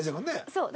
そう。